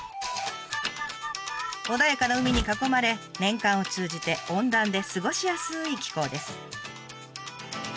穏やかな海に囲まれ年間を通じて温暖で過ごしやすい気候です。